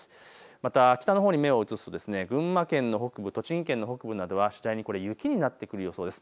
また北のほうに目を移すと群馬県の北部、栃木県の北部などは次第に雪になってくる予想です。